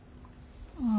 ああ。